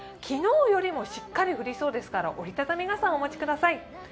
昨日よりもしっかり降りそうですから折り畳み傘をお持ちください。